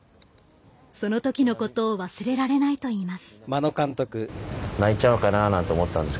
そのときのことを忘れられないでいます。